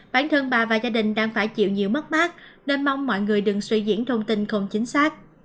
bản thân bà và gia đình đang phải chịu nhiều mất mát nên mong mọi người đừng suy diễn thông tin không chính xác